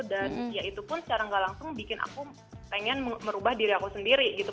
ya itu pun secara gak langsung bikin aku pengen merubah diri aku sendiri gitu